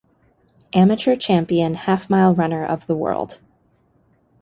Amateur Champion half-mile runner of the world.